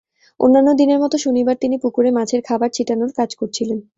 অন্যান্য দিনের মতো শনিবার তিনি পুকুরে মাছের খাবার ছিটানোর কাজ করছিলেন।